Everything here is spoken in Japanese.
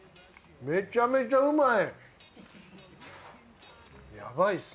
めちゃめちゃうまい。